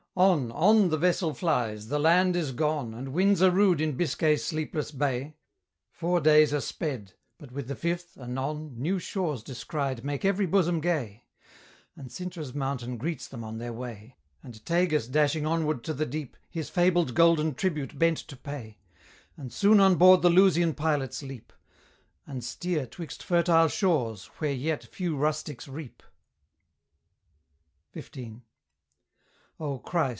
On, on the vessel flies, the land is gone, And winds are rude in Biscay's sleepless bay. Four days are sped, but with the fifth, anon, New shores descried make every bosom gay; And Cintra's mountain greets them on their way, And Tagus dashing onward to the deep, His fabled golden tribute bent to pay; And soon on board the Lusian pilots leap, And steer 'twixt fertile shores where yet few rustics reap. XV. Oh, Christ!